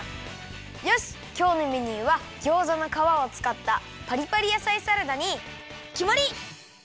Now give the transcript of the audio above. よしきょうのメニューはギョーザのかわをつかったパリパリ野菜サラダにきまり！